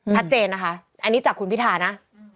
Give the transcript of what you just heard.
ชัดเจนนะคะอันนี้จากคุณพิธานะ